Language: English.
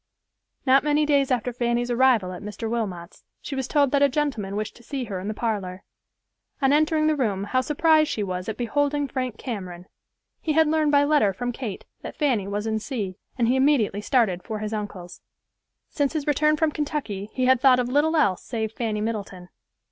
Not many days after Fanny's arrival at Mr. Wilmot's she was told that a gentleman wished to see her in the parlor. On entering the room how surprised she was at beholding Frank Cameron. He had learned by letter from Kate that Fanny was in C——, and he immediately started for his uncle's. Since his return from Kentucky he had thoughts of little else save Fanny Middleton.